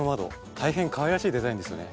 大変かわいらしいデザインですよね。